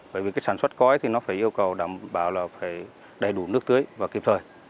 bởi vì sản xuất cõi thì nó phải yêu cầu đảm bảo đầy đủ nước tưới và kiếp thời